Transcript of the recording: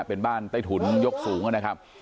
เป็นบ้านใต้ถุนยกสูงนะครับ